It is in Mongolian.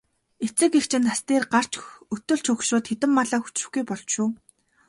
Эцэг эх чинь нас дээр гарч өтөлж хөгшрөөд хэдэн малаа хүчрэхгүй болж шүү.